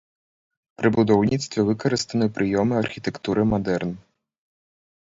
Пры будаўніцтве выкарыстаны прыёмы архітэктуры мадэрн.